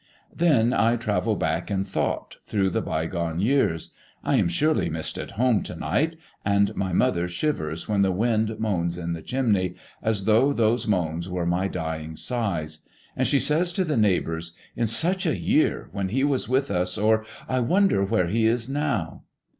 Then I travel back, in thought, through the bygone years. I am surely missed at home to night; and my mother shivers when the wind moans in the chimney, as though those moans were my dying sighs. And she says to the neighbors, "In such a year, when he was with us," or, "I wonder where he is now!"